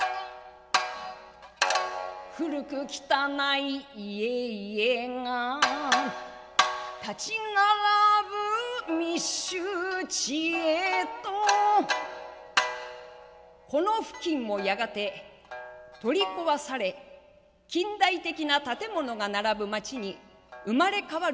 古くきたない家々が立ち並ぶ密集地へとこの付近もやがて取り壊され近代的な建物が並ぶ街に生まれ変わる計画となっている。